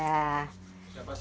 siapa sih mereka itu